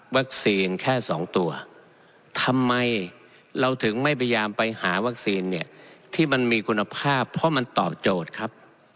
แค่สองตัวทำไมเราถึงไม่พยายามไปหาวัคซีนเนี่ยที่มันมีคุณภาพเพราะมันตอบโจทย์ครับ